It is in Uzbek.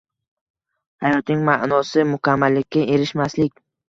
Hayotning ma'nosi mukammallikka erishmaslik.